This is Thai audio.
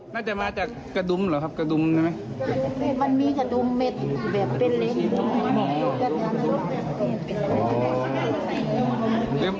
น่าจะมาจากกระดุมเหรอครับกระดุมใช่ไหมมันมีกระดุมเม็ดแบบเป็นเล็ก